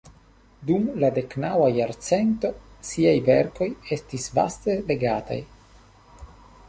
Dum la deknaŭa jarcento ŝiaj verkoj estis vaste legataj.